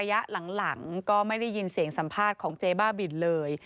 นี่ค่ะแต่ระยะหลังไม่ได้ยินเสียงสัมภาษณ์ของเจ๊บ้าบินเรือย